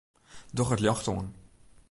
Doch it ljocht oan.